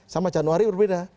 sama januari berbeda